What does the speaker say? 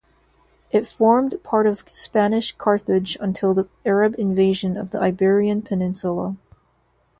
It formed part of Spanish Carthage until the Arab invasion of the Iberian Peninsula.